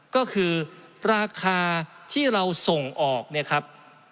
ก็คือราคาที่เราส่งออกเนี่ยครับ